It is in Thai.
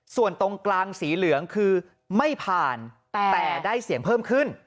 ส่วนตรงกลางสีเหลืองคือไม่ผ่านแต่ได้เสียงเพิ่มขึ้น